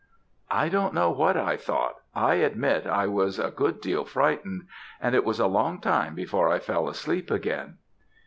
"I don't know what I thought I admit I was a good deal frightened, and it was a long time before I fell asleep again.